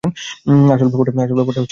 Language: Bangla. আসল ব্যাপারটা হচ্ছে কী জানো?